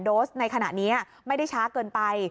โสในขณะนี้ไม่ได้ช้าเกินไป